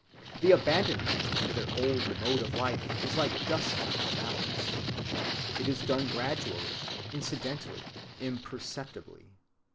The abandonment of their old mode of life is like dust in the balance. It is done gradually, incidentally, imperceptibly.